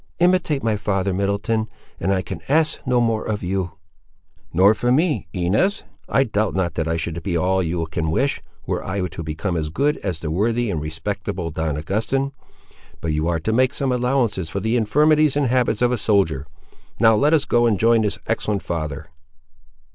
Imitate my father, Middleton, and I can ask no more of you." "Nor for me, Inez? I doubt not that I should be all you can wish, were I to become as good as the worthy and respectable Don Augustin. But you are to make some allowances for the infirmities and habits of a soldier. Now let us go and join this excellent father."